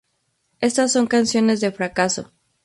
Estas son canciones de fracaso.